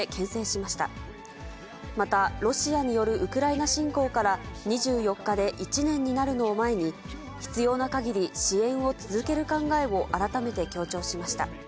また、ロシアによるウクライナ侵攻から、２４日で１年になるのを前に、必要なかぎり支援を続ける考えを改めて強調しました。